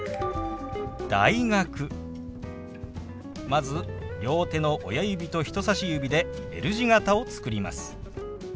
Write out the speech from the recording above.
まず両手の親指と人さし指でＬ字形を作ります。